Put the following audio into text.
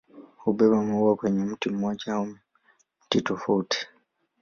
Hubeba maua kwenye mti mmoja au miti tofauti.